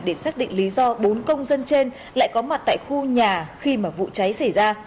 để xác định lý do bốn công dân trên lại có mặt tại khu nhà khi mà vụ cháy xảy ra